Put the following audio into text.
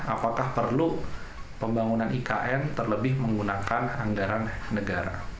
apakah perlu pembangunan ikn terlebih menggunakan anggaran negara